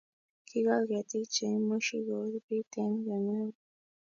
ke gol ketik cheimuci kobit eng' kemeut